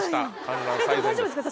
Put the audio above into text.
でも大丈夫ですか？